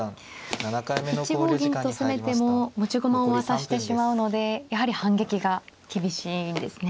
１五銀と攻めても持ち駒を渡してしまうのでやはり反撃が厳しいんですね。